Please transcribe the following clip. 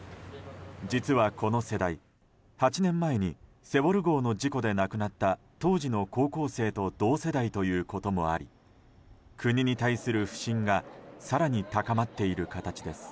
実はこの世代、８年前に「セウォル号」の事故で亡くなった当時の高校生と同世代ということもあり国に対する不信が更に高まっている形です。